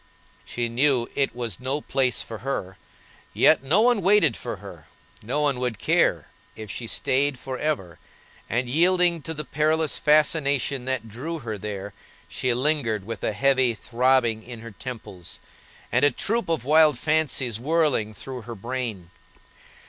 She knew it was no place for her, yet no one waited for her, no one would care if she staid for ever, and, yielding to the perilous fascination that drew her there, she lingered with a heavy throbbing in her temples, and a troop of wild fancies whirling through her brain.